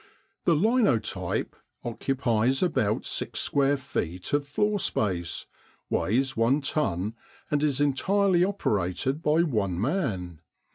The Linotype occupies about six square feet of floor space, weighs one ton, and is entirely operated by one man.